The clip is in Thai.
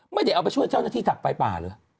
ไม่ได้เอาไปช่วยเจ้าหน้าที่ถักไฟป่าเหรอ